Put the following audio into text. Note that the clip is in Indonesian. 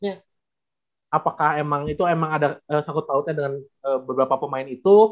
apakah emang itu emang ada sangkut pautnya dengan beberapa pemain itu